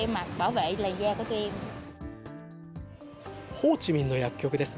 ホーチミンの薬局です。